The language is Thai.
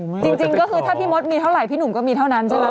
จริงก็คือถ้าพี่มดมีเท่าไหร่พี่หนุ่มก็มีเท่านั้นใช่ไหม